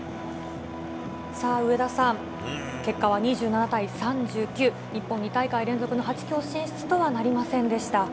上田さん、結果は２７対３９、日本２大会連続の８強進出とはなりませんでした。